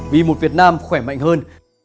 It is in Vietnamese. vì một việt nam khỏe mạnh hơn